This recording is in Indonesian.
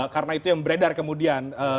karena itu yang beredar kemudian